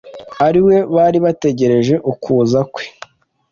ari we bari barategereje ukuza kwe.